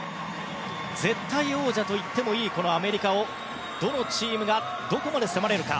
絶対王者といってもいいアメリカをどのチームがどこまで迫れるか。